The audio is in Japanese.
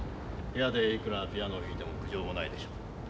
部屋でいくらピアノを弾いても苦情もないでしょう。